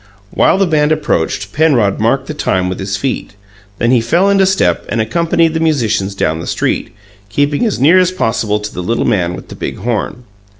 While the band approached, Penrod marked the time with his feet; then he fell into step and accompanied the musicians down the street, keeping as near as possible to the little man with the big horn.